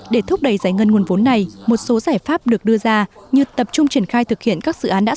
để thúc đẩy giải ngân nguồn vốn này một số giải pháp được đưa ra như tập trung triển khai thực hiện các dự án đã